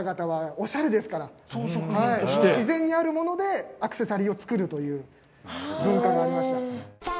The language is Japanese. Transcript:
自然にあるものでアクセサリーを作るという文化がありました。